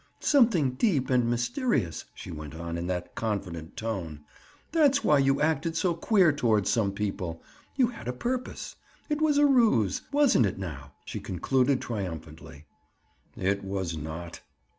"Something deep and mysterious," she went on in that confident tone. "That's why you acted so queer toward some people. You had a purpose. It was a ruse. Wasn't it now?" she concluded triumphantly. "It was not."